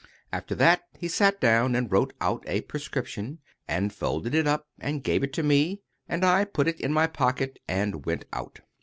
After that, he sat down and wrote out a prescription, and folded it up and gave it me, and I put it in my pocket and went out.